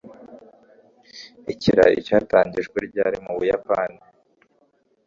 ikirayi cyatangijwe ryari mu buyapani